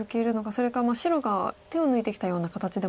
それか白が手を抜いてきたような形でもありますね。